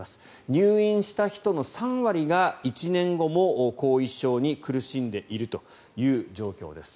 入院した人の３割が、１年後も後遺症に苦しんでいるという状況です。